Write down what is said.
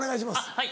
はい。